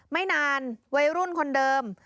ไม่นานวัยรุ่นคนเดิม